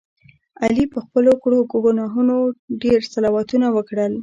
علي په خپلو کړو ګناهونو ډېر صلواتونه وکړل.